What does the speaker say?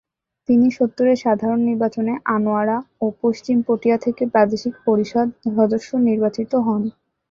তিনি সত্তরের সাধারণ নির্বাচনে আনোয়ারা ও পশ্চিম পটিয়া থেকে প্রাদেশিক পরিষদ সদস্য নির্বাচিত হন।